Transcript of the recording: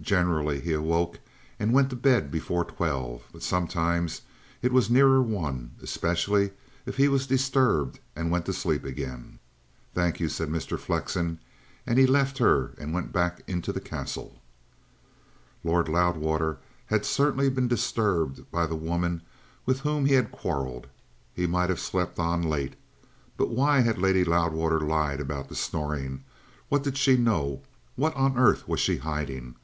Generally he awoke and went to bed before twelve. But sometimes it was nearer one, especially if he was disturbed and went to sleep again." "Thank you," said Mr. Flexen, and he left her and went back into the Castle. Lord Loudwater had certainly been disturbed by the woman with whom he had quarrelled. He might have slept on late. But why had Lady Loudwater lied about the snoring? What did she know? What on earth was she hiding?